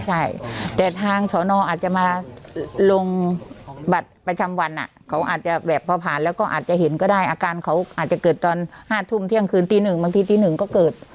ใช่แต่ทางสอนออาจจะมาลงบัตรประจำวันเขาอาจจะแบบพอผ่านแล้วก็อาจจะเห็นก็ได้อาการเขาอาจจะเกิดตอน๕ทุ่มเที่ยงคืนตีหนึ่งบางทีตีหนึ่งก็เกิด